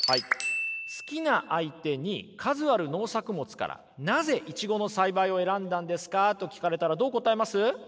好きな相手に「数ある農作物からなぜイチゴの栽培を選んだんですか？」と聞かれたらどう答えます？